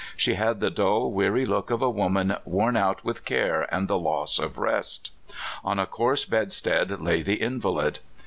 She had the dull, weary look of a woman worn out with care and loss of rest. On a coarse bedstead lay the invalid.